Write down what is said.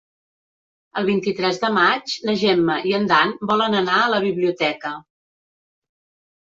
El vint-i-tres de maig na Gemma i en Dan volen anar a la biblioteca.